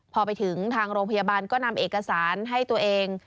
พอไปถึงทางโรงพยาบาลก็นำเอกสารให้ตัวเอง